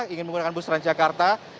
ingin menggunakan bus transjakarta